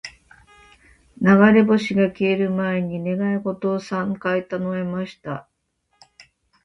•流れ星が消える前に、願い事を三回唱えました。